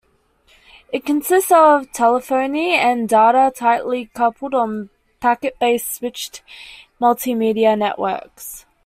It consists of telephony and data tightly coupled on packet-based switched multimedia networks.